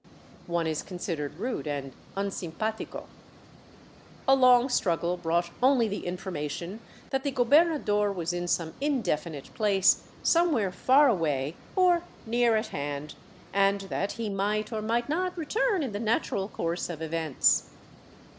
one is considered rude and unsimpatico. A long struggle brought only the information that the gobernador was in some indefinite place somewhere far away or near at hand, and that he might or might not return in the natural course of events.